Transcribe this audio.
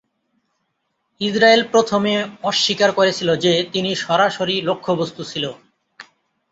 Israel প্রথমে অস্বীকার করেছিল যে তিনি সরাসরি লক্ষ্যবস্তু ছিল।